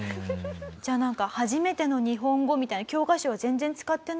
じゃあなんか「はじめての日本語」みたいな教科書は全然使ってない？